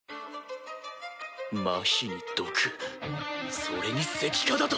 麻痺に毒それに石化だと⁉